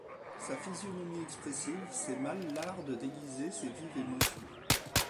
Sa physionomie expressive sait mal l’art de déguiser ses vives émotions.